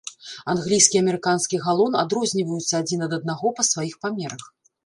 Англійскі і амерыканскі галон адрозніваюцца адзін ад аднаго па сваіх памерах.